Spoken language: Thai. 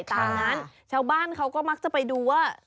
ตามนั้นชาวบ้านเขาก็มักจะไปดูว่า